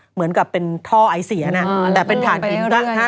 เหมือนกับเป็นท่อไอเสียนะแต่เป็นฐานหินพระ